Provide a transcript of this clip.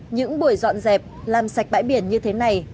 những buổi dọn dẹp làm sạch bãi biển như thế này